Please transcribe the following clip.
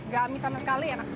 gami sama sekali ya